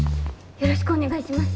よろしくお願いします。